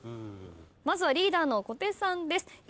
まずはリーダーの小手さんです。